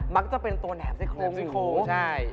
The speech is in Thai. มักจะเป็นตัวแหน่มสิ้งโครงหมู